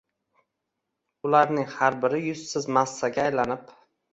ularning har biri yuzsiz massaga aylanib